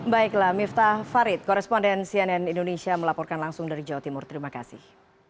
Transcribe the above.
baiklah miftah farid koresponden cnn indonesia melaporkan langsung dari jawa timur terima kasih